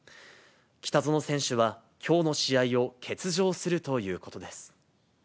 北薗選手はきょうの試合を欠場するということです。